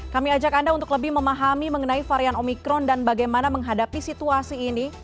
kami ajak anda untuk lebih memahami mengenai varian omikron dan bagaimana menghadapi situasi ini